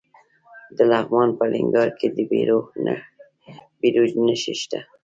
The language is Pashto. د لغمان په الینګار کې د بیروج نښې شته.